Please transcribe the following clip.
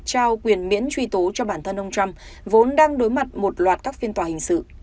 trao quyền miễn truy tố cho bản thân ông trump vốn đang đối mặt một loạt các phiên tòa hình sự